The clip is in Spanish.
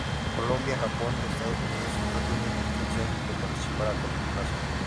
Colombia, Japón, y Estados Unidos no tienen intención de participar a corto plazo.